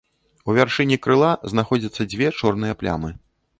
У вяршыні крыла знаходзяцца дзве чорныя плямы.